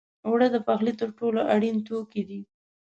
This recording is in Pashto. اوړه د پخلي تر ټولو اړین توکي دي